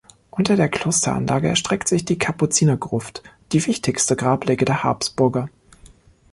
Unter der Klosteranlage erstreckt sich die Kapuzinergruft, die wichtigste Grablege der Habsburger.